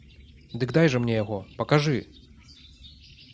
Дык дай жа мне яго, пакажы!